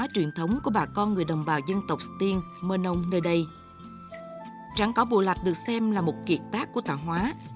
trảng cỏ bù lạch được xem là một kiệt tác của tạo hóa